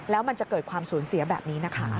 แล้วมันจะเกิดความสูญเสียแบบนี้นะคะ